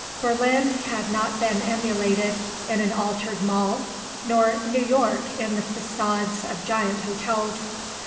Berlin had not been emulated in an altered Mall nor New York in the façades of giant hotels.